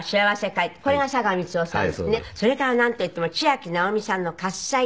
それからなんといってもちあきなおみさんの『喝采』。